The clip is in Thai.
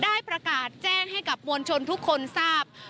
ได้ประกาศแจ้งให้กับมวลชนทุกคนทราบ